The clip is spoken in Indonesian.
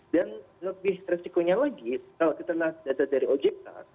dan lebih resikonya lagi kalau kita lihat data dari ojk